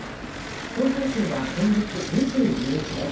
投開票は今月２２日です